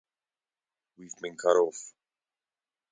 We've been cut off.